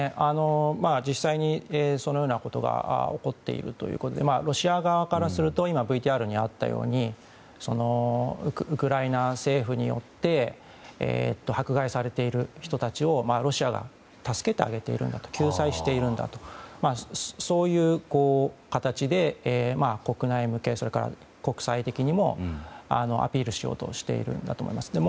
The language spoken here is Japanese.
実際にそのようなことが起こっているということでロシア側からするとＶＴＲにあったようにウクライナ政府によって迫害されている人たちをロシアが助けてあげているんだ救済しているんだとそういう形で国内向けそれから国際的にもアピールしようとしているんだと思います。